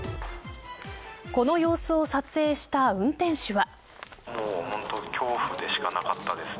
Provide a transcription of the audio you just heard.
この様子を撮影した運転手は。